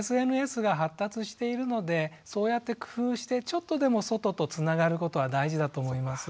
ＳＮＳが発達しているのでそうやって工夫してちょっとでも外とつながることは大事だと思います。